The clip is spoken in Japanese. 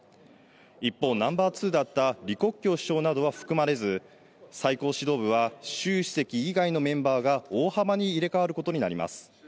一方、ナンバーツーだった李克強首相などは含まれず、最高指導部は習主席以外のメンバーが大幅に入れ代わることになります。